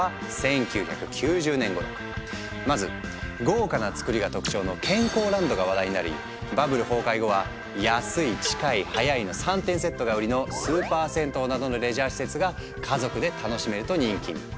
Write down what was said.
まず豪華な造りが特徴の健康ランドが話題になりバブル崩壊後は「安い近い早い」の３点セットが売りの「スーパー銭湯」などのレジャー施設が家族で楽しめると人気に。